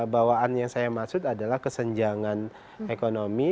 bawaan yang saya maksud adalah kesenjangan ekonomi